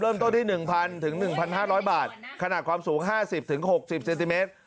เริ่มต้นที่๑๐๐๑๕๐๐บาทขนาดความสูง๕๐๖๐เซนติเมตร